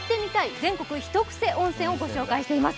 全国ひとクセ温泉」をご紹介しています。